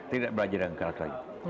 tidak belajar dengan karakter lagi